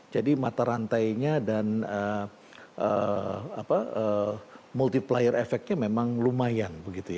jadi mata rantainya dan multiplier efeknya memang lumayan